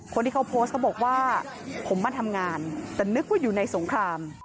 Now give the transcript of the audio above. คนที่เขาโพสต์เขาบอกว่าผมมาทำงานแต่นึกว่าอยู่ในสงคราม